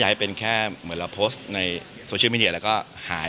อยากให้เป็นแค่เหมือนเราไหนสทมิเเนียแล้วก็หาย